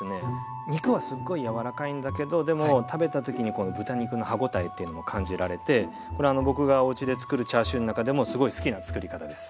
肉はすっごい柔らかいんだけどでも食べた時に豚肉の歯応えっていうのも感じられて僕がおうちでつくるチャーシューの中でもすごい好きなつくり方です。